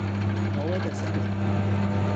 挪威的森林